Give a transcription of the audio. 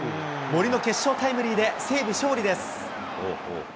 森の決勝タイムリーで、西武、勝利です。